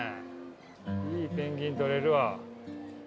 いいペンギン撮れるわ。